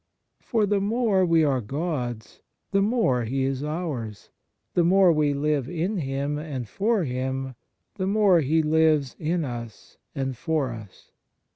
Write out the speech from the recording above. For the more we are God s, the more He is ours ; the more we live in Him and for Him, the more He lives in us and for us.